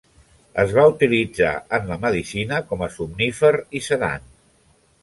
Es va utilitzar en la medicina com a somnífer i sedant.